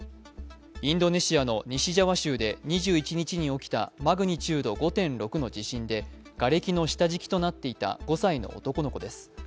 インドネシアの西ジャワ州で２１日に起きたマグニチュード５．６の地震でがれきの下敷きになっていた５歳の男の子です。